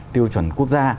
tiêu chuẩn quốc gia